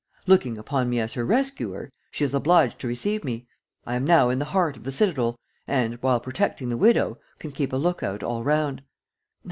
Looking upon me as her rescuer, she is obliged to receive me. I am now in the heart of the citadel and, while protecting the widow, can keep a lookout all round.